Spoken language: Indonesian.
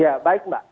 ya baik mbak